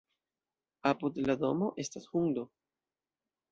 Apud la domo estas hundo.